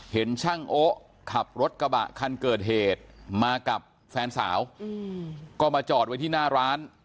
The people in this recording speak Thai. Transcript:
เห็นช่างโอ๊ะขับรถกระบะคันเกิดเหตุมากับแฟนสาวก็มาจอดไว้ที่หน้าร้าน